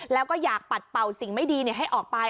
แล้วก็อยากปัดเป่าสิ่งไม่ดีให้ออกไป